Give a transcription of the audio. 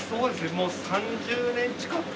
もう３０年近くなって。